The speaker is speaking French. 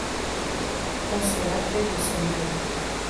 On se hâtait de se mêler.